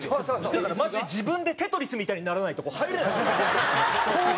だからマジで自分で『テトリス』みたいにならないと入れない。